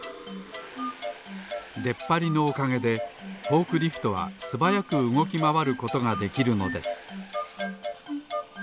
でっぱりのおかげでフォークリフトはすばやくうごきまわることができるのです